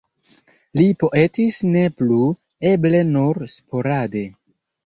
Li poetis ne plu, eble nur sporade.